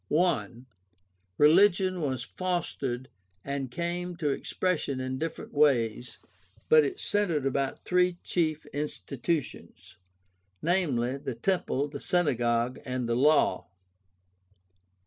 I. Religion was fostered and came to expression in differ ent ways, but it centered about three chief institutions, viz., the Temple, the Synagogue, and the Law.